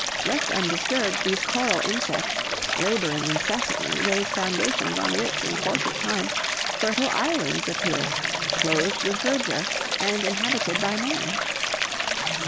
"Left undisturbed, these coral insects, laboring incessantly, raise foundations, on which, in course of time, fertile islands appear, clothed with verdure, and inhabited by man."